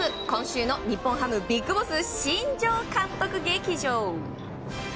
今週の日本ハムビッグボス新庄監督劇場。